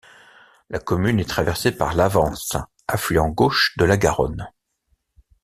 La commune est traversée par l'Avance, affluent gauche de la Garonne.